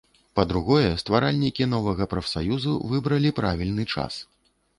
Па-другое, стваральнікі новага прафсаюзу выбралі правільны час.